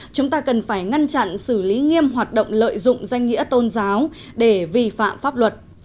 chúng ta cần phải ngăn chặn xử lý nghiêm hoạt động lợi dụng danh nghĩa tôn giáo để vi phạm pháp luật